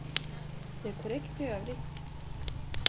Det är korrekt i övrigt.